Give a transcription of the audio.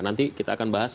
nanti kita akan bahas